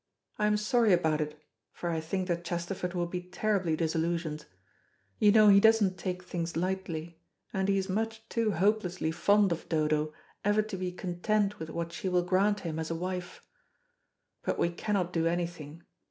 I am sorry about it, for I think that Chesterford will be terribly disillusioned. You know he doesn't take things lightly, and he is much too hopelessly fond of Dodo ever to be content with what she will grant him as a wife. But we cannot do anything.